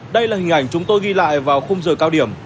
đây là hình ảnh chúng tôi ghi lại vào khung giờ cao điểm